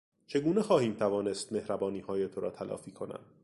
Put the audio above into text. چگونه خواهیم توانست مهربانیهای تو را تلافی کنم.